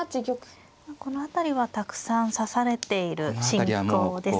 この辺りはたくさん指されている進行ですね。